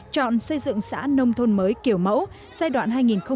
chọn xây dựng xã nông thôn mới kiểu mẫu giai đoạn hai nghìn một mươi sáu hai nghìn hai mươi